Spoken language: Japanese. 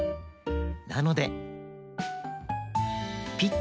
なのでピッ！